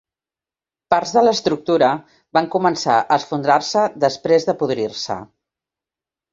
Parts de l'estructura van començar a esfondrar-se després de podrir-se.